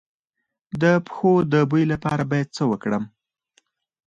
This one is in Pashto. د پښو د بوی لپاره باید څه وکړم؟